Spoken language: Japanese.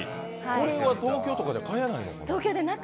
これは東京とかでは買えないのかな？